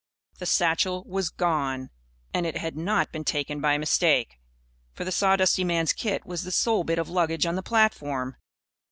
The satchel was gone. And it had not been taken by mistake. For the sawdusty man's kit was the sole bit of luggage on the platform.